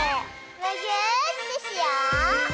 むぎゅーってしよう！